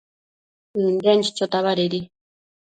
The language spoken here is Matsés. ënden chochota badedi